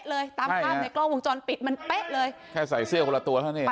แล้วทำเพื่ออะไรมาตกงานหรือ